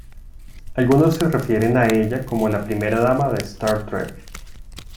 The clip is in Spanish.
Algunos se refieren a ella como "la primera dama de Star Trek".